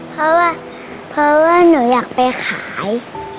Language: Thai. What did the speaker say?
เพราะว่าหนูอยากไปขาย